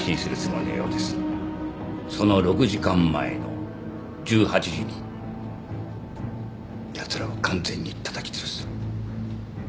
その６時間前の１８時にやつらを完全にたたきつぶす。